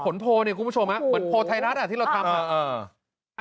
ผลโพลคุณผู้ชมเหมือนโพลไท้รัฐอ่ะที่เราทำ